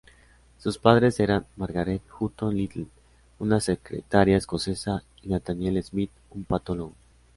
Sus padres eran Margaret Hutton Little, una secretaria escocesa y Nathaniel Smith, un patólogo.